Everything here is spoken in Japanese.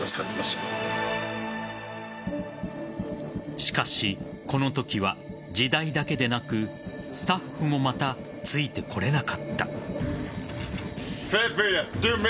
しかし、このときは時代だけでなくスタッフもまた、ついてこられなかった。